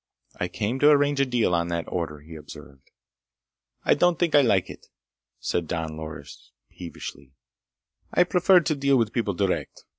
"I came to arrange a deal on that order," he observed. "I don't think I like it," said Don Loris peevishly. "I prefer to deal with people direct.